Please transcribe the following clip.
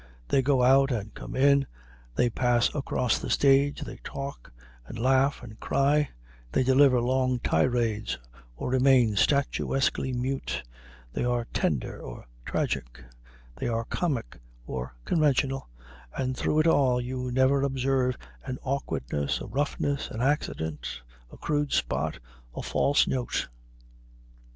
They go out and come in, they pass across the stage, they talk, and laugh, and cry, they deliver long tirades or remain statuesquely mute; they are tender or tragic, they are comic or conventional; and through it all you never observe an awkwardness, a roughness, an accident, a crude spot, a false note.